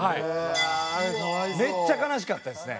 めっちゃ悲しかったですね。